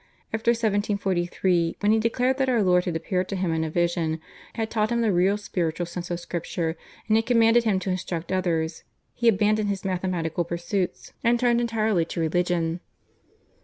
After 1743, when he declared that Our Lord had appeared to him in a vision, had taught him the real spiritual sense of Scripture, and had commanded him to instruct others, he abandoned his mathematical pursuits and turned entirely to religion.